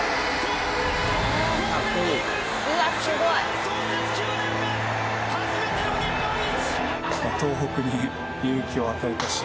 球団創設９年目初めての日本一！